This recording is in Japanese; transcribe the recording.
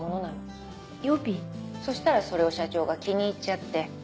そしたらそれを社長が気に入っちゃって。